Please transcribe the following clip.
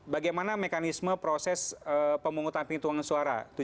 bagaimana mekanisme proses pemungut tamping tuangan suara